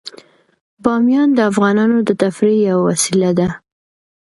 بامیان د افغانانو د تفریح یوه وسیله ده.